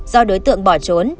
do đối tượng bỏ trốn